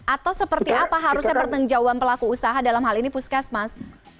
atau seperti apa harusnya pertanggung jawaban pelaku usaha dalam hal ini puskesmas